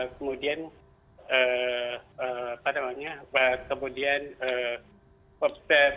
kemudian apa namanya kemudian